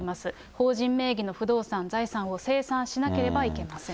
法人名義の不動産、財産を清算しなければいけません。